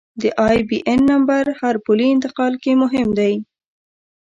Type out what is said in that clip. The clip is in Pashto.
د آیبياېن نمبر هر پولي انتقال کې مهم دی.